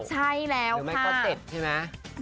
ใช่แล้วค่ะเดี๋ยวแม่ก็ติดใช่ไหม